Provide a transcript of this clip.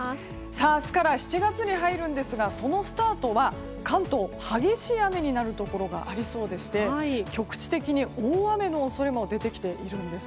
明日から７月に入るんですがそのスタートは関東激しい雨になるところがありそうでして局地的に大雨の恐れも出てきているんです。